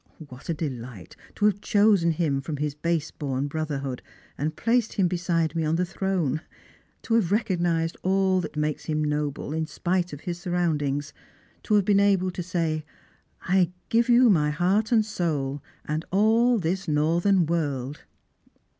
What e delight to have chosen him from his base born brotherhood, Strangers and Pilgrim*. 147 and placed liim beside me upon the throne ; to have recognised all that makes him noble, in spite of his surroundings ; to have been able to say, ' I give you my heart and soul, and all this northern world